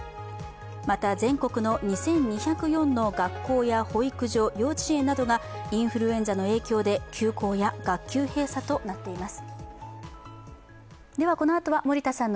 また全国の２２０４の学校や保育所、幼稚園などがインフルエンザの影響で休校や学校閉鎖となっています。